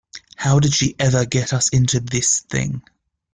How did he ever get us into this thing?